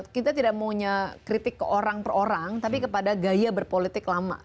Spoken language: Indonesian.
kita tidak maunya kritik ke orang per orang tapi kepada gaya berpolitik lama